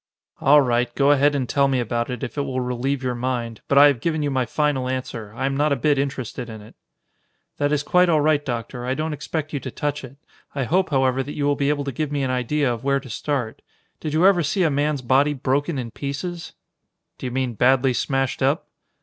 "All right, go ahead and tell me about it if it will relieve your mind, but I have given you my final answer. I am not a bit interested in it." "That is quite all right, Doctor, I don't expect you to touch it. I hope, however, that you will be able to give me an idea of where to start. Did you ever see a man's body broken in pieces?" "Do you mean badly smashed up?"